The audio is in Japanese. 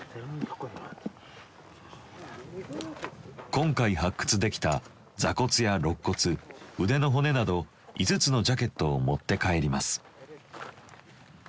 今回発掘できた座骨やろっ骨腕の骨など５つのジャケットを持って帰ります。